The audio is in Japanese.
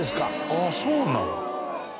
あっそうなんだ。